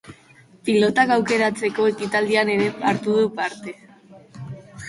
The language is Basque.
Pilotak aukeratzeko ekitaldian ere hartu du parte.